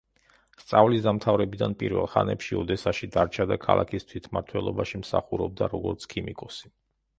სწავლის დამთავრებიდან პირველ ხანებში ოდესაში დარჩა და ქალაქის თვითმმართველობაში მსახურობდა, როგორც ქიმიკოსი.